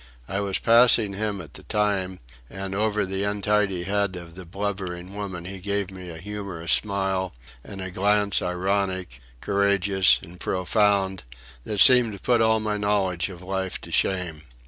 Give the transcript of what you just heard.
I was passing him at the time, and over the untidy head of the blubbering woman he gave me a humorous smile and a glance ironic, courageous, and profound, that seemed to put all my knowledge of life to shame.